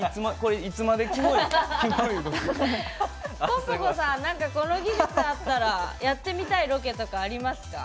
ぽんぽこさん何かこの技術あったらやってみたいロケとかありますか？